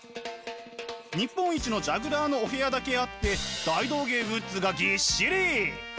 日本一のジャグラーのお部屋だけあって大道芸グッズがぎっしり！